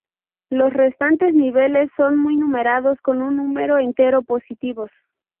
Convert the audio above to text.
Los restantes niveles son numerados con un número entero positivos.